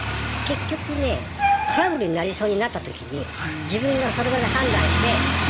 結局ねトラブルになりそうになった時に自分がその場で判断して言えるか。